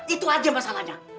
itu aja masalahnya